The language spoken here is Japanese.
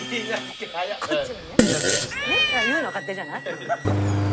言うのは勝手じゃない？